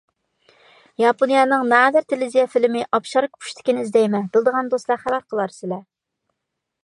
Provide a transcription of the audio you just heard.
ياپونىيەنىڭ نادىر تېلېۋىزىيە فىلىمى «ئاپشاركا پۇشتىكى» نى ئىزدەيمەن. بىلىدىغان دوستلار خەۋەر قىلارسىلەر.